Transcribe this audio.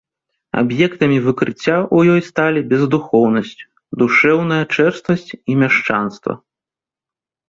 Аб'ектамі выкрыцця ў ёй сталі бездухоўнасць, душэўная чэрствасць і мяшчанства.